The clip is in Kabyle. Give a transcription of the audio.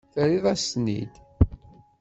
Terriḍ-as-ten-id.